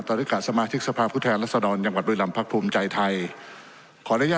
ตรริกะสมาธิกสภาพภูตรแทงและสะดอนะยังวัดบริหรัมพรรคภูมิใจไทย